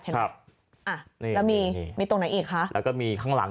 อ่ะนี่แล้วมีมีตรงไหนอีกคะแล้วก็มีข้างหลัง